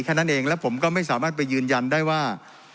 แค่นั้นเองและผมก็ไม่สามารถไปยืนยันได้ว่า